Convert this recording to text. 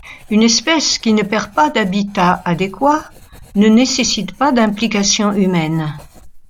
Une espèce qui ne perd pas d’habitat adéquats ne nécessite pas d’implication humaine.